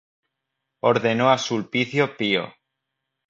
Ordenó a Sulpicio Pío.